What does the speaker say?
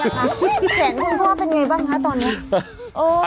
แขนของพ่อเป็นอย่างไรบ้างค่ะตอนนี้